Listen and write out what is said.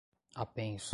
apenso